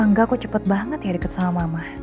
enggak kok cepet banget ya deket sama mama